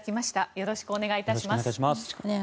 よろしくお願いします。